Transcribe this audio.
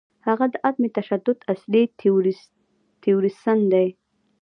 هغه د عدم تشدد اصلي تیوریسن دی.